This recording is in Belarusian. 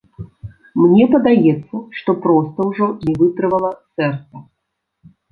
Мне падаецца, што проста ўжо не вытрывала сэрца.